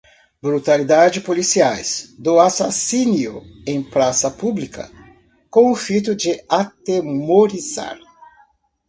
brutalidades policiais, do assassínio em praça pública, com o fito de atemorizar